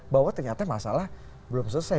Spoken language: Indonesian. bahwa ternyata masalah belum selesai